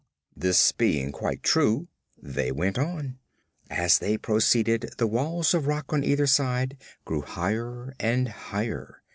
This being quite true, they went on. As they proceeded, the walls of rock on either side grew higher and higher.